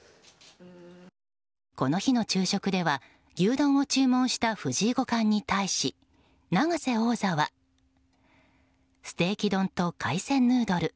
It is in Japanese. この日の昼食では牛丼を注文した藤井五冠に対し永瀬王座はステーキ丼と海鮮ヌードル